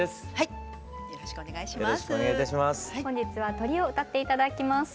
本日は「鳥」を歌って頂きます。